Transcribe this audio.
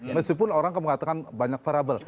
meskipun orang mengatakan banyak variable